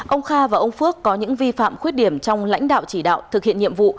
ông kha và ông phước có những vi phạm khuyết điểm trong lãnh đạo chỉ đạo thực hiện nhiệm vụ